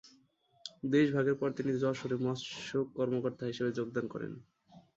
দেশভাগের পর তিনি যশোরে মৎস্য কর্মকর্তা হিসেবে যোগদান করেন।